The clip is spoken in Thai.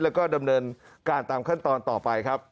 แล้วก็ดำเนินการตามขั้นตอนต่อไปครับ